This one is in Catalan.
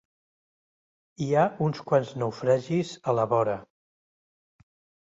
Hi ha uns quants naufragis a la vora.